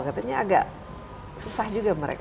katanya agak susah juga mereka